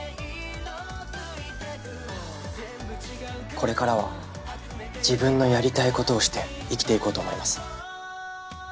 これからは自分のやりたいことをして生きていこうと思います。